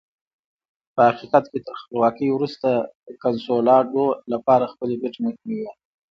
په حقیقت کې تر خپلواکۍ وروسته کنسولاډو لپاره خپلې ګټې مهمې وې.